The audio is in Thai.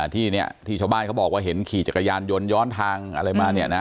ที่ชาวบ้านเขาบอกว่าเห็นขี่จักรยานยนต์ย้อนทางอะไรมาเนี่ยนะ